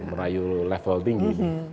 merayu level tinggi